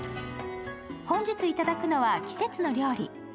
本日頂くのは季節の料理。